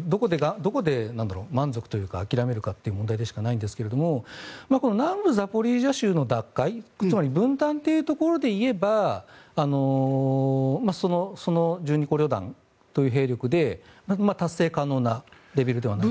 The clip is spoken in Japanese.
どこで満足というか諦めるかという問題でしかないんですが南部ザポリージャ州の奪回分断というところでいえば１２個旅団という兵力で達成可能なレベルではないかと。